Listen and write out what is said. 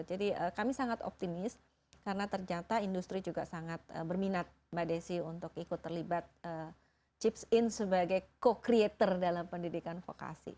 jadi kami sangat optimis karena ternyata industri juga sangat berminat mbak desi untuk ikut terlibat chips in sebagai co creator dalam pendidikan vokasi